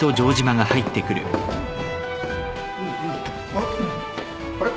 あらあれ？